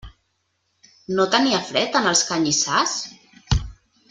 No tenia fred en els canyissars?